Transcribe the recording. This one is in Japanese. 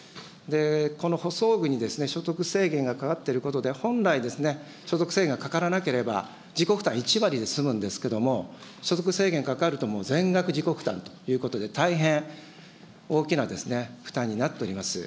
この補装具に所得制限がかかっていることで、本来、所得制限がかからなければ自己負担１割で済むんですけれども、所得制限かかると全額自己負担ということで、大変大きな負担になっています。